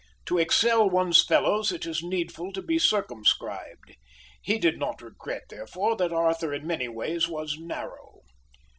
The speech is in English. To excel one's fellows it is needful to be circumscribed. He did not regret, therefore, that Arthur in many ways was narrow.